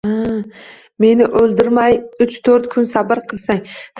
Meni óldirmay uch-tórt kun sabr qilsang